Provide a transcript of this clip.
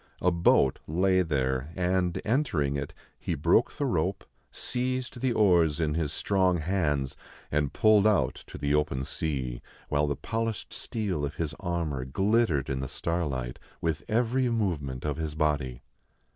A boat lay there ; and, entering it, he broke the rope, seized the oars in his strong hands, and pulled out to the open sea, while the polished steel of his armor glittered in the starlight with every movement of his body.